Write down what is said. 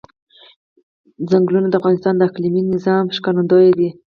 چنګلونه د افغانستان د اقلیمي نظام ښکارندوی ده.